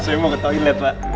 saya mau ke toilet pak